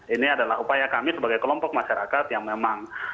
ini adalah upaya kami sebagai kelompok masyarakat yang memang